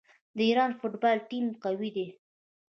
د ایران فوټبال ټیم قوي دی.